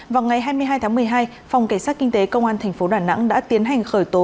vào ngày hai mươi hai tháng một mươi hai phòng cảnh sát kinh tế công an thành phố đà nẵng đã tiến hành khởi tố